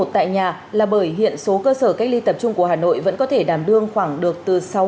tại nhà là bởi hiện số cơ sở cách ly tập trung của hà nội vẫn có thể đảm đương khoảng được từ sáu mươi